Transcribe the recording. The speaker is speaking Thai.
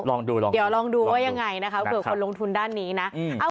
ลองดูลองเดี๋ยวลองดูว่ายังไงนะคะเผื่อคนลงทุนด้านนี้นะ